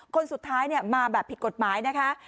คนสุดท้ายมาแบบผิดกฎหมายนะคะ